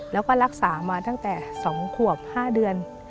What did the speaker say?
แล้วก็รักษามาตั้งแต่๒ขวบ๕เดือน